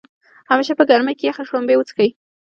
همیشه په ګرمۍ کې يخې شړومبۍ وڅښئ